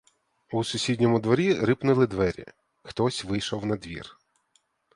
У сусідньому дворі рипнули двері — хтось вийшов надвір.